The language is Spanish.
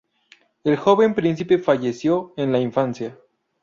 El joven príncipe falleció en la infancia.